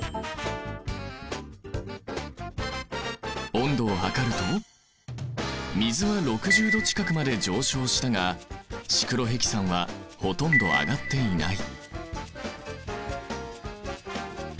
温度を測ると水は６０度近くまで上昇したがシクロヘキサンはほとんど上がっていない。